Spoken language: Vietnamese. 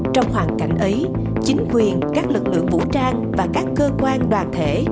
trong hoàn cảnh ấy chính quyền các lực lượng vũ trang và các cơ quan đoàn thể